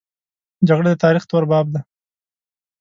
جګړه د تاریخ تور باب دی